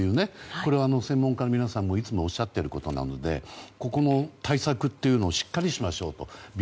これは専門家の皆さんが、いつもおっしゃっていることなのでここの対策をしっかりしましょうと。